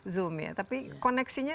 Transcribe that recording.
zoom ya tapi koneksinya